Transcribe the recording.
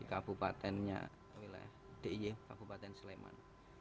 di kabupatennya diy kabupaten sleman